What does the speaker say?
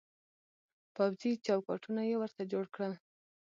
پوځي چوکاټونه يې ورته جوړ کړل.